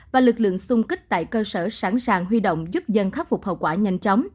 và lực lượng xung kích tại cơ sở sẵn sàng huy động giúp dân khắc phục hậu quả nhanh chóng